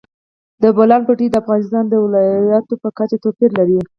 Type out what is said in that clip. د بولان پټي د افغانستان د ولایاتو په کچه توپیر لري.